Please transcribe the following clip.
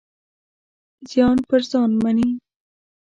زیان پر ځان ومني.